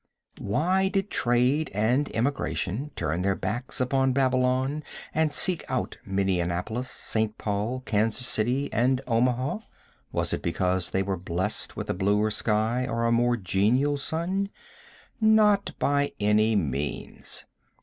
Why did trade and emigration turn their backs upon Babylon and seek out Minneapolis, St. Paul, Kansas City and Omaha? Was it because they were blest with a bluer sky or a more genial sun? Not by any means.